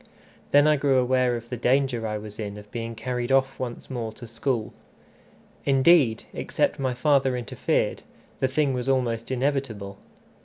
Then I grew aware of the danger I was in of being carried off once more to school. Indeed, except my father interfered, the thing was almost inevitable.